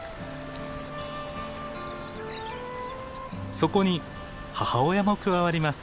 そこに母親も加わります。